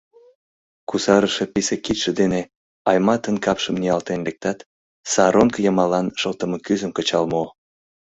Кусарыше писе кидше дене Айматын капшым ниялтен лектат, саронг йымалан шылтыме кӱзым кычал муо.